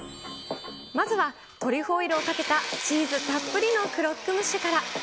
まずはトリュフオイルをかけたチーズたっぷりのクロックムッシュから。